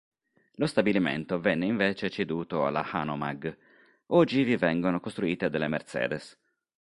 Lo stabilimento venne invece ceduto alla Hanomag; oggi vi vengono costruite delle Mercedes.